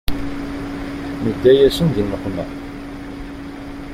Nedda-yasen di nneqma.